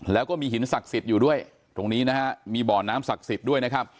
แล้วก็มีหินศักดิ์สิทธิ์อยู่ด้วยตรงนี้นะฮะมีบ่อน้ำศักดิ์สิทธิ์ด้วยนะครับ